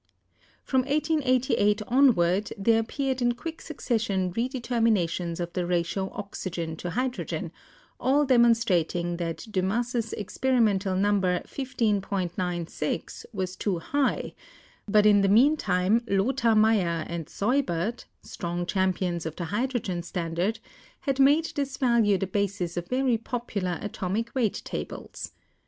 From 1888 onward, there appeared in quick succession redeterminations of the ratio oxygen : hydrogen, all demon strating that Dumas' experimental number 15.96 was too high; but in the meantime Lothar Meyer and Seubert, strong champions of the hydrogen standard, had made this value the basis of very popular atomic weight tables.